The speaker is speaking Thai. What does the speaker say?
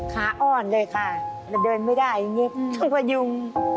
ขาอ้อนเลยค่ะแต่เดินไม่ได้อย่างนี้หนุ่มมมมวันยุม